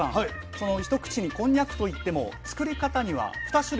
その一口にこんにゃくといっても作り方には二種類あるんです。